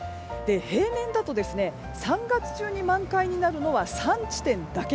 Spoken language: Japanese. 平年だと３月中に満開になるのは３地点だけ。